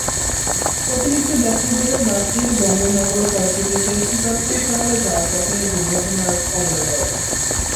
অতিরিক্ত যাত্রীবোঝাই বাসটি বন্দরনগর করাচি থেকে শিকারপুর শহরে যাওয়ার পথে দুর্ঘটনার কবলে পড়ে।